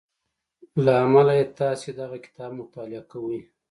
له امله يې تاسې دغه کتاب مطالعه کوئ.